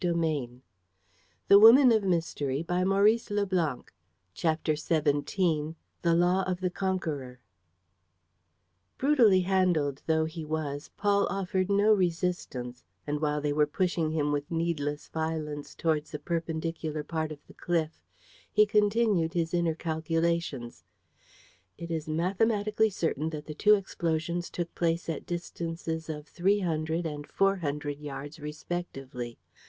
. At once ... at once! ... Let him be shot! ..." CHAPTER XVII THE LAW OF THE CONQUEROR Brutally handled though he was, Paul offered no resistance; and, while they were pushing him with needless violence towards a perpendicular part of the cliff, he continued his inner calculations: "It is mathematically certain that the two explosions took place at distances of three hundred and four hundred yards, respectively.